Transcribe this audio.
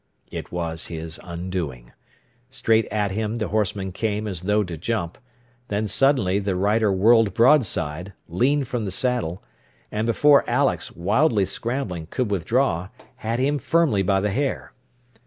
It was his undoing. Straight at him the horseman came, as though to jump. Then suddenly the rider whirled broadside, leaned from the saddle, and before Alex, wildly scrambling, could withdraw, had him firmly by the hair.